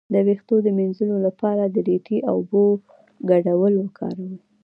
د ویښتو د مینځلو لپاره د ریټې او اوبو ګډول وکاروئ